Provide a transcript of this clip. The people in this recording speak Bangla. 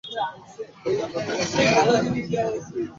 প্রথম বার যখন বিয়ে করি, তখনো আমার মধ্যে বিন্দুমাত্র উত্তেজনা ছিল না।